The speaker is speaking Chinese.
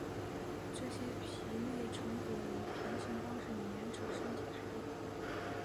这些皮内成骨以平行方式沿者身体排列。